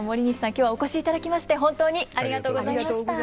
今日はお越しいただきまして本当にありがとうございました。